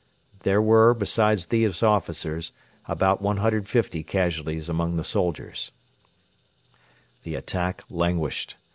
There were, besides these officers, about 150 casualties among the soldiers. The attack languished.